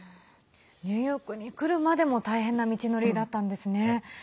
ニューヨークに来るまでも大変な道のりだったんですね。